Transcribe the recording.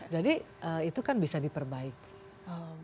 jadi itu kan bisa diperbaiki